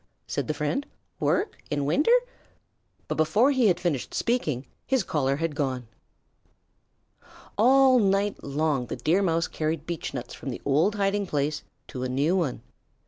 said the friend. "Work? In winter?" But before he had finished speaking his caller had gone. All night long the Deer Mouse carried beechnuts from the old hiding place to a new one.